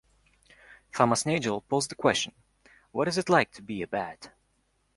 Thomas Nagel posed the question What is it like to be a bat?